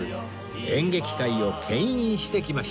演劇界を牽引してきました